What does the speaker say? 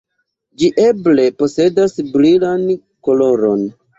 Ĝi eble posedas brilan koloron.